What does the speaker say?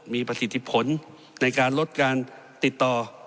มีประสิทธิผลในการลดการติดต่อ